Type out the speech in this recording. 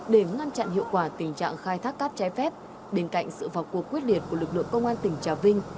để ngăn chặn hiệu quả tình trạng khai thác cát trái phép bên cạnh sự vào cuộc quyết liệt của lực lượng công an tỉnh trà vinh